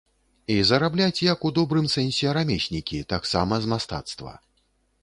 І зарабляць, як у добрым сэнсе рамеснікі, таксама з мастацтва.